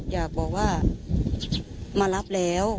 อยากบอกว่ามารับแล้ว